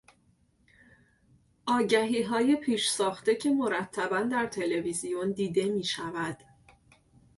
آگهیهای پیش ساخته که مرتبا در تلویزیون دیده میشود.